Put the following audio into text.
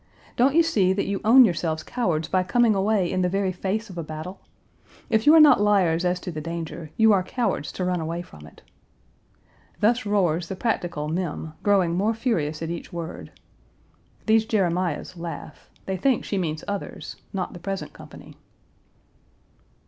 Don't you see that you own yourselves cowards by coming away in the very face of a battle? If you are not liars as to the danger, you are cowards to run away from it." Thus roars the practical Mem, growing more furious at each word. These Jeremiahs laugh. They think she means others, not the present company.